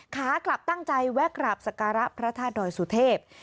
ขากลับตั้งใจแวะกราบสการะพระธาตุดอยสุเทพ